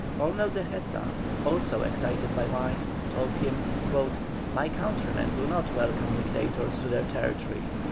Colonel Dehesa, also excited by wine, told him: "My countrymen do not welcome Dictators to their territory."